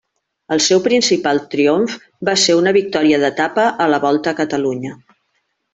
El seu principal triomf va ser una victòria d'etapa a la Volta a Catalunya.